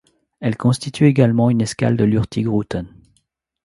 Elle constitue également une escale de l'Hurtigruten.